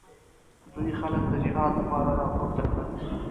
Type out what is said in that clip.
دوی خلک د جهاد لپاره راپورته کړل.